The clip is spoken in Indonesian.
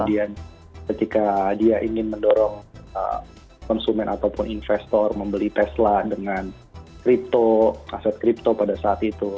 kemudian ketika dia ingin mendorong konsumen ataupun investor membeli tesla dengan kripto aset kripto pada saat itu